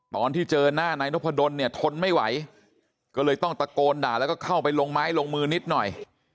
ตอนที่เจอหน้านายนพดลเนี่ยทนไม่ไหวก็เลยต้องตะโกนด่าแล้วก็เข้าไปลงไม้ลงมือนิดหน่อย